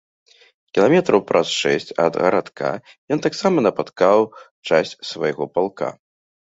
Кіламетраў праз шэсць ад гарадка ён таксама напаткаў часць з свайго палка.